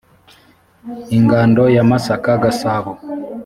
ingando ya masaka gasabo